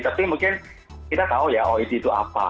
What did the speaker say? tapi mungkin kita tahu ya oed itu apa